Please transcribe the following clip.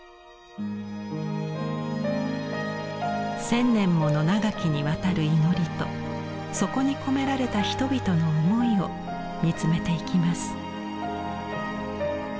千年もの長きにわたる祈りとそこに込められた人々の思いを見つめていきます。